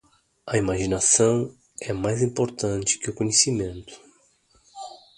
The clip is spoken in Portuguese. A imaginação é mais importante que o conhecimento.